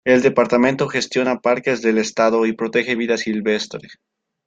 El departamento gestiona parques del estado y protege vida silvestre.